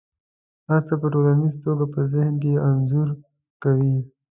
هر څه په ټوليزه توګه په ذهن کې انځور کوي.